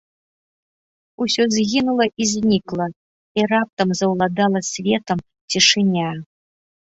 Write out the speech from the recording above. Усё згінула і знікла, і раптам заўладала светам цішыня.